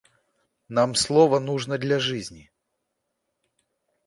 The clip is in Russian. Нам слово нужно для жизни.